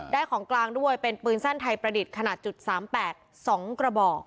ของกลางด้วยเป็นปืนสั้นไทยประดิษฐ์ขนาด๓๘๒กระบอก